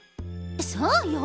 そうよ！